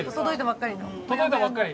届いたばっかり。